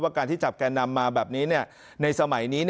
การที่จับแก่นำมาแบบนี้ในสมัยนี้